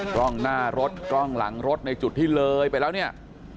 กล้องหน้ารถกล้องหลังรถในจุดที่เลยไปแล้วเนี่ย